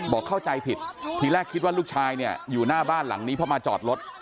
เข้าใจผิดทีแรกคิดว่าลูกชายเนี่ยอยู่หน้าบ้านหลังนี้เพราะมาจอดรถ